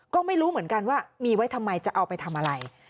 ก็ไม่รู้เหมือนกันว่ามีไว้ทำไมจะเอาไปทำอะไร